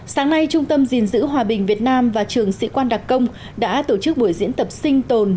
sáng nay trung tâm gìn giữ hòa bình việt nam và trường sĩ quan đặc công đã tổ chức buổi diễn tập sinh tồn